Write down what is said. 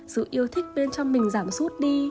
sự yêu thích bên trong mình giảm suốt đi